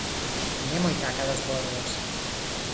Немој така да зборуваш.